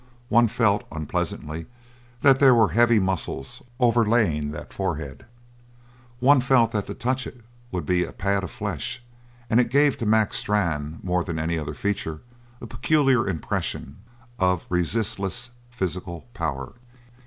One felt, unpleasantly, that there were heavy muscles overlaying that forehead. One felt that to the touch it would be a pad of flesh, and it gave to Mac Strann, more than any other feature, a peculiar impression of resistless physical power.